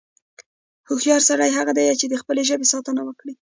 هوښیار سړی هغه دی، چې د خپلې ژبې ساتنه وکړي.